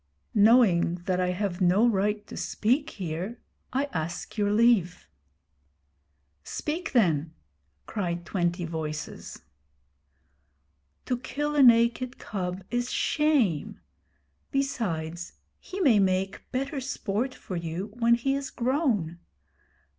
'Knowing that I have no right to speak here, I ask your leave.' 'Speak then,' cried twenty voices. 'To kill a naked cub is shame. Besides, he may make better sport for you when he is grown.